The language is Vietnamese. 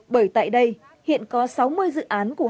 bởi tại đây hiện có sáu mươi dự án của hàng chục